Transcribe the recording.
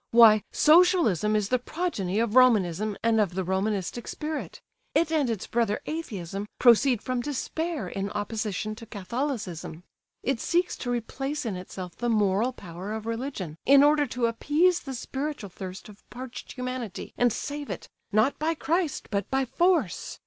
Why, Socialism is the progeny of Romanism and of the Romanistic spirit. It and its brother Atheism proceed from Despair in opposition to Catholicism. It seeks to replace in itself the moral power of religion, in order to appease the spiritual thirst of parched humanity and save it; not by Christ, but by force.